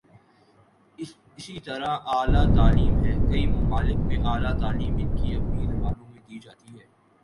اسی طرح اعلی تعلیم ہے، کئی ممالک میںاعلی تعلیم ان کی اپنی زبانوں میں دی جاتی ہے۔